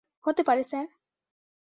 হতে পারে, স্যার।